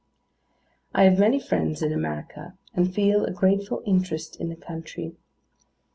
I have many friends in America, and feel a grateful interest in the country.